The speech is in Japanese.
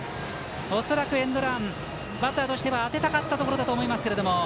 恐らく、エンドランバッターとしては当てたかったところだと思いますが。